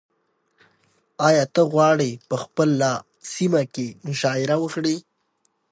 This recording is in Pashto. ایا ته غواړې په خپله سیمه کې مشاعره وکړې؟